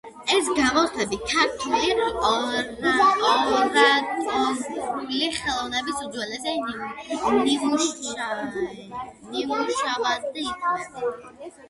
ეს გამოსვლები ქართული ორატორული ხელოვნების უძველეს ნიმუშად ითვლება.